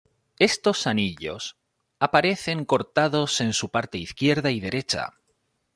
Estos anillos aparecen cortados en su parte izquierda y derecha.